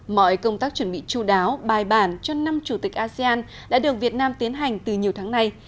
mọi công tác chuẩn bị chú đáo bài bản cho năm chủ tịch asean đã được việt nam tiến hành từ nhiều tháng nay